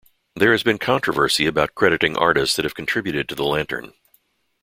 There has been controversy about crediting artists that have contributed to the lantern.